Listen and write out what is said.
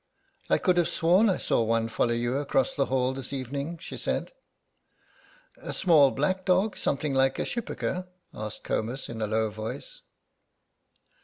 "I could have sworn I saw one follow you across the hall this evening," she said. "A small black dog, something like a schipperke?" asked Comus in a low voice.